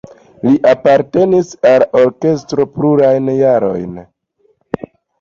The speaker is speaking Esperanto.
Li apartenis al orkestro plurajn jardekojn.